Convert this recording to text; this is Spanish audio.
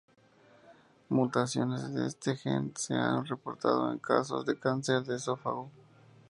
Mutaciones de este gen se han reportado en casos de cáncer de esófago.